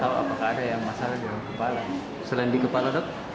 untuk tahu apakah ada masalah di kepala